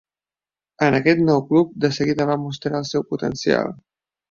En aquest nou club, de seguida va mostrar el seu potencial.